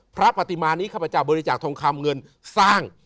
พระปฏิมานิข้าพเจ้าบริจาคทองคำเงินสร้าง